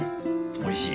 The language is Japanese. おいしい。